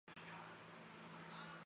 去当代艺术馆看展览